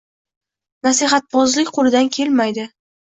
Nasihatbozlik qo‘lidan kelmaydi.